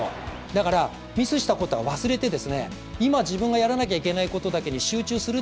だからミスしたことは忘れて、今、自分がやらなきゃいけないことに集中する。